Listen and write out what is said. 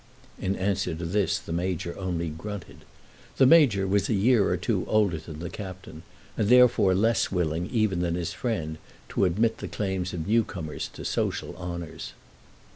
In answer to this the Major only grunted. The Major was a year or two older than the Captain, and therefore less willing even than his friend to admit the claims of new comers to social honours.